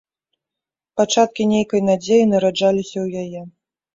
Пачаткі нейкай надзеі нараджаліся ў яе.